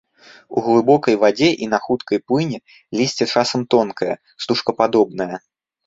У глыбокай вадзе і на хуткай плыні лісце часам тонкае, стужкападобнае.